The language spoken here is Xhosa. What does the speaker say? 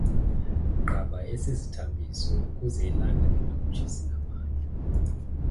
qaba esi sithambiso ukuze ilanga lingakutshisi ngamandla